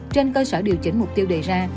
trên cơ sở điều chỉnh mục tiêu đề ra